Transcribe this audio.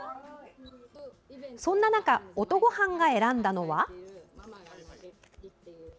そんな中音ごはんが選んだのは。